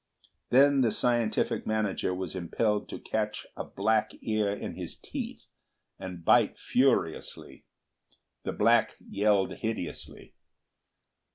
Then the scientific manager was impelled to catch a black ear in his teeth and bite furiously. The black yelled hideously.